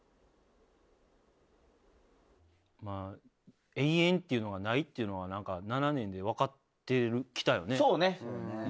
まあ永遠っていうのがないっていうのは７年で分かってきたよね。